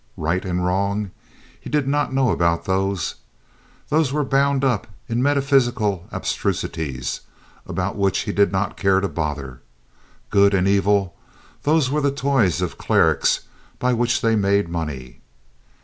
Right and wrong? He did not know about those. They were bound up in metaphysical abstrusities about which he did not care to bother. Good and evil? Those were toys of clerics, by which they made money.